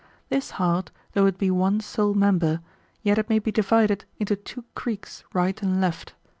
This heart, though it be one sole member, yet it may be divided into two creeks right and left.